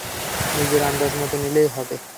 নিজের আন্দাজমতো নিলেই হবে।